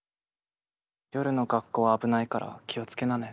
夜の学校は危ないから気をつけなね。